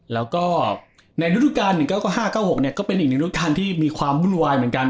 แล้วก็ในรูปการณ์๑๙๙๕๑๙๙๖เนี่ยก็เป็นอีกหนึ่งรูปการณ์ที่มีความบุญวายเหมือนกัน